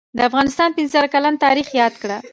دافغانستان پنځه زره کلن تاریخ یاد کړه